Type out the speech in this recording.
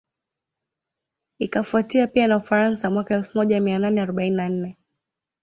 Ikafuatia pia na Ufaransa mwaka elfu moja mia nane arobaini na nne